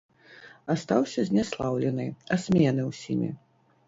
Астаўся зняслаўлены, асмеяны ўсімі.